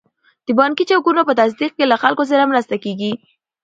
د بانکي چکونو په تصدیق کې له خلکو سره مرسته کیږي.